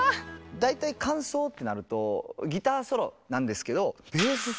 大体間奏ってなるとギターソロなんですけど